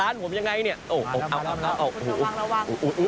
ร้านผมยังไงเนี่ยมาคุณระวัง